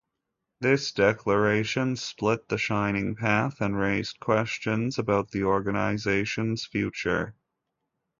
This declaration split the Shining Path and raised questions about the organization's future.